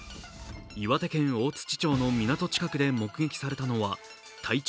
岩手県大槌町の港近くで目撃されたのは体長